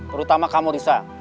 terutama kamu risa